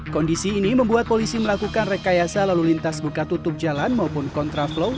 kondisi ini membuat polisi melakukan rekayasa lalu lintas buka tutup jalan maupun kontraflow